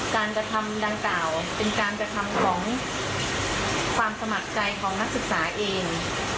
การกระทำดังกล่าวเป็นการกระทำของความสมัครใจของนักศึกษาเอง